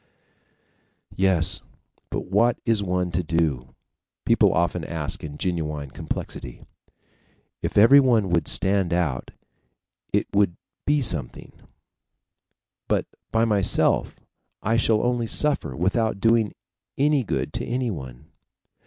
"Yes, but what is one to do?" people often ask in genuine perplexity. "If everyone would stand out it would be something, but by myself, I shall only suffer without doing any good to anyone."